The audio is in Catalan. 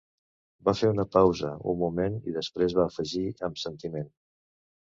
Va fer una pausa un moment, i després va afegir amb sentiment.